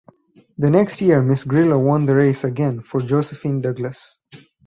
The next year Miss Grillo won the race again for Josephine Douglas.